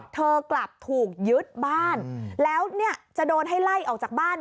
เธอกลับถูกยึดบ้านแล้วจะโดนให้ไล่ออกจากบ้าน